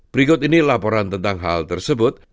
berikut ini laporan tentang hal tersebut